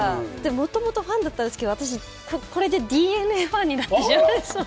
元々ファンだったんですけど私これでＤｅＮＡファンになってしまいました。